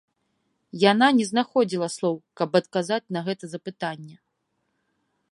Яна не знаходзіла слоў, каб адказаць на гэта запытанне.